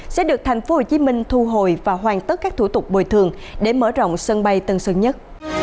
sẽ được tp hcm thu hồi và hoàn tất các thủ tục bồi thường để mở rộng sân bay tân sơn nhất